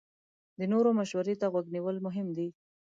د نورو مشورې ته غوږ نیول مهم دي.